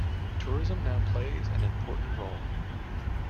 Tourism now plays an important role.